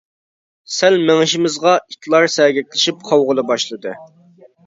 سەل مېڭىشىمىزغا ئىتلار سەگەكلىشىپ قاۋىغىلى باشلىدى.